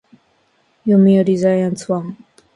読売ジャイアンツファン